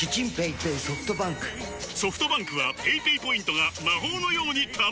ソフトバンクはペイペイポイントが魔法のように貯まる！